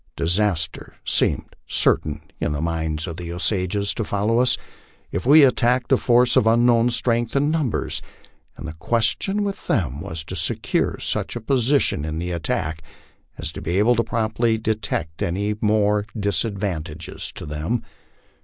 Disaster seemed certain in the minds of the Osages to follow us, if we attacked a force of unknown strength and numbers ; and the question with them was to secure such a position in the attack as to be able promptly to detect any move disad vantageous to them.